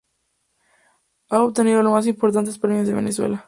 Ha obtenido los más importantes premios de Venezuela.